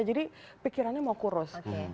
jadi pikirannya mau kurus